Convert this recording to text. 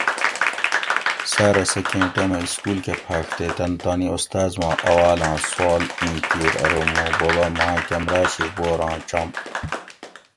ساۤرہ سہ کیں ٹیمہ اِسکول کہۤ پھاۤڛ تے تن تانی استاذ ما اوالاں سوال ایں کیِر ارو موں بوبہ ماۤں کمرہ شی بوراں چُم